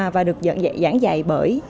và được giảng dạy bởi